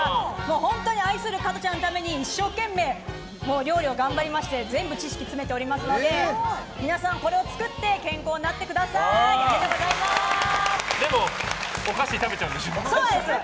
本当に愛する加トちゃんのために一生懸命、料理を頑張りまして全部知識を詰めていますので皆さんこれを作ってでもお菓子食べちゃうんでしょ。